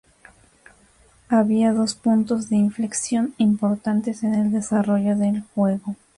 Había dos puntos de inflexión importantes en el desarrollo del juego.